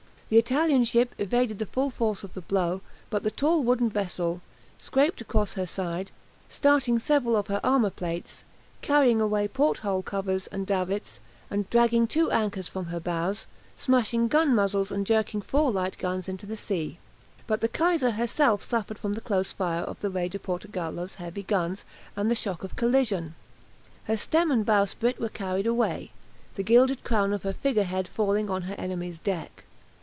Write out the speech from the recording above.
The Italian ship evaded the full force of the blow, but the tall wooden vessel scraped along her side, starting several of her armour plates, carrying away port hole covers and davits, dragging two anchors from her bows, smashing gun muzzles and jerking four light guns into the sea. But the "Kaiser" herself suffered from the close fire of the "Re di Portogallo's" heavy guns and the shock of collision. Her stem and bowsprit were carried away, the gilded crown of her figure head falling on her enemy's deck.